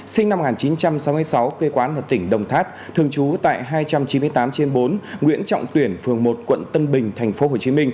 sinh năm một nghìn chín trăm sáu mươi sáu quê quán ở tỉnh đồng tháp thường trú tại hai trăm chín mươi tám trên bốn nguyễn trọng tuyển phường một quận tân bình tp hcm